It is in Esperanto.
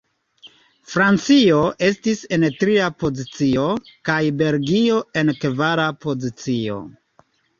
Francio estis en tria pozicio, kaj Belgio en kvara pozicio.